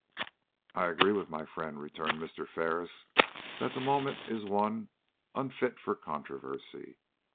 "I agree with my friend," returned Mr. Ferris, "that the moment is one unfit for controversy.